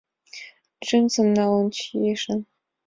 Джинсым налын чийышым